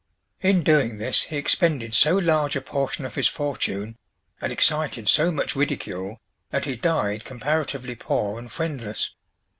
In doing this he expended so large a portion of his fortune, and excited so much ridicule, that he died comparatively poor and friendless.